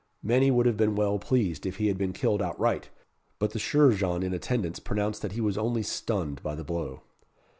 Many would have been well pleased if he had been killed outright, but the chirurgeon in attendance pronounced that he was only stunned by the blow.